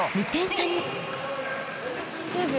２点差に］